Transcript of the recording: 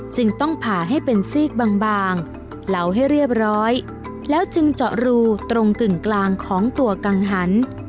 จึงต้องผ่าให้เป็นซีกบางเหลาให้เรียบร้อยแล้วจึงเจาะรูตรงกึ่งกลางของตัวกังหัน